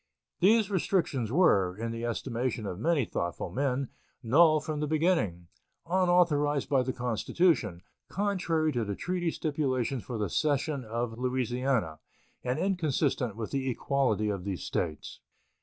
These restrictions were, in the estimation of many thoughtful men, null from the beginning, unauthorized by the Constitution, contrary to the treaty stipulations for the cession of Louisiana, and inconsistent with the equality of these States.